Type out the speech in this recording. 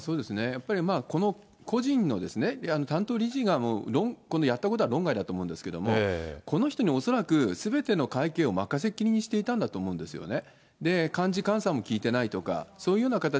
やっぱりまあ、この個人の担当理事が、このやったことは論外だと思うんですけども、この人に恐らくすべての会計を任せきりにしていたんだと思うんですよね。